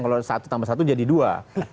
kalau satu tambah satu jadi dua